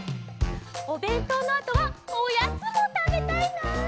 おべんとうのあとはおやつもたべたいな。